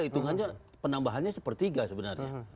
hitungannya penambahannya sepertiga sebenarnya